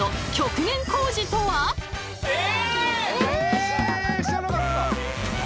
え！